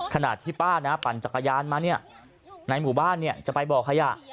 ขนาดที่ป้าน่ะปั่นจักรยานมาเนี่ยในหมู่บ้านเนี่ยจะไปบ่อขยะ